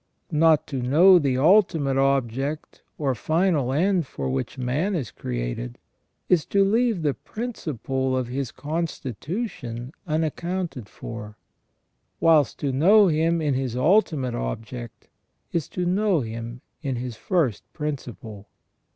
Not to know the ultimate object or final end for which man is created, is to leave the principle of his con stitution unaccounted for; whilst to know him in his ultimate object is to know him in his first principle.